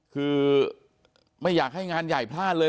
คือไม่อยากให้งานใหญ่พลาดเลย